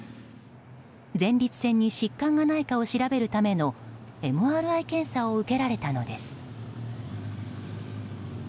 前立腺に疾患がないかを調べるためのＭＲＩ検査を受けられたのです。